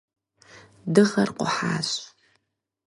Дыгъэр къухьащ.